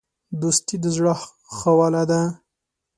دوستي د زړه خواله ده.